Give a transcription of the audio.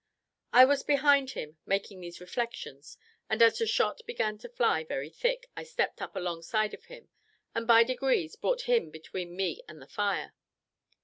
I was behind him, making these reflections, and as the shot began to fly very thick, I stepped up alongside of him, and, by degrees, brought him between me and the fire.